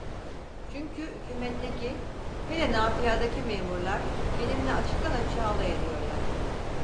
Çünkü hükümetteki, hele nafıadaki memurlar benimle açıktan açığa alay ediyorlar.